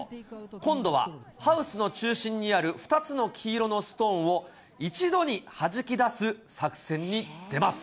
今度はハウスの中心にある２つの黄色のストーンを一度にはじき出す作戦に出ます。